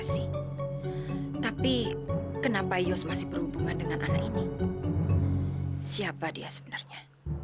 sampai jumpa di video selanjutnya